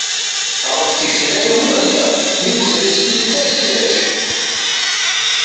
Ɣef tgecrar-iw i ɣliɣ, mi d-tres tyita s tirac.